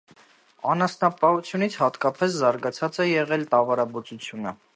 Անասնապահությունից հատկապես զարգացած է եղել տավարաբուծությունը։